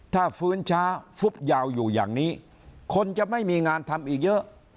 ถ้าฟื้นช้าฟุบยาวอยู่อย่างนี้คนจะไม่มีงานทำอีกเยอะ